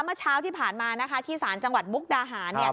เมื่อเช้าที่ผ่านมาที่ศาลจ๑๕๔บุกดาหาร